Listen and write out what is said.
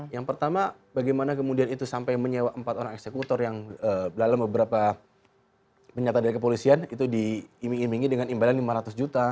yang pertama bagaimana kemudian itu sampai menyewa empat orang eksekutor yang dalam beberapa penyataan dari kepolisian itu diiming imingi dengan imbalan lima ratus juta